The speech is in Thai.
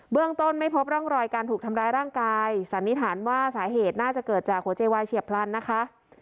เรื่องต้นไม่พบร่องรอยการถูกทำร้ายร่างกายสันนิษฐานว่าสาเหตุน่าจะเกิดจากหัวใจวายเฉียบพลันนะคะ